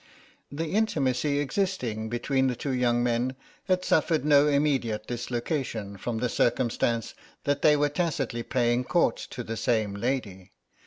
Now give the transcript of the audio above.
The intimacy existing between the two young men had suffered no immediate dislocation from the circumstance that they were tacitly paying court to the same lady.